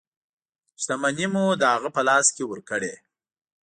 شتمنۍ مو د هغه په لاس کې ورکړې.